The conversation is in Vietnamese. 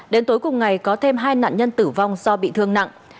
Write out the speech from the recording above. đến tối cùng ngày có thêm hai nạn nhân tử vong do bị thương nặng